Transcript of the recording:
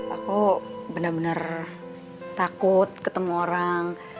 aku benar benar takut ketemu orang